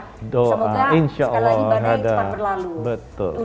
semoga sekali lagi badai cepat berlalu